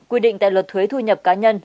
quy định tại luật thuế thu nhập cá nhân